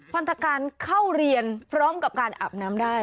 พันธการเข้าเรียนพร้อมกับการอาบน้ำได้